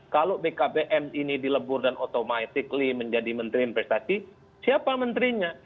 kalau bkpm ini dilebur dan automatically menjadi menteri investasi siapa menterinya